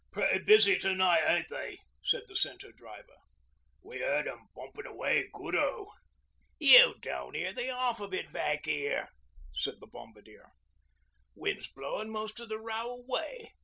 'Pretty busy to night, ain't they?' said the Centre Driver. 'We heard 'em bumpin' away good oh.' 'You don't 'ear the 'alf of it back 'ere,' said the Bombardier. 'Wind's blowin' most o' the row away.